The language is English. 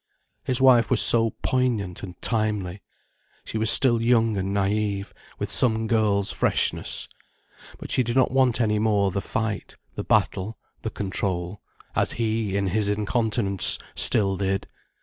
His wife was so poignant and timely. She was still young and naïve, with some girl's freshness. But she did not want any more the fight, the battle, the control, as he, in his incontinence, still did.